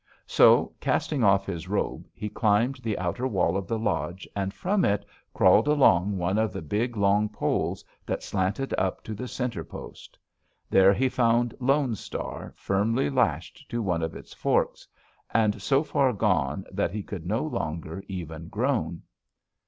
So, casting off his robe, he climbed the outer wall of the lodge, and from it crawled along one of the big long poles that slanted up to the center post. There he found Lone Star, firmly lashed to one of its forks, and so far gone that he could no longer even groan.